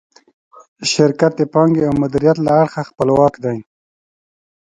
شرکت د پانګې او مدیریت له اړخه خپلواک دی.